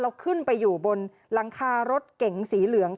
แล้วขึ้นไปอยู่บนหลังคารถเก๋งสีเหลือง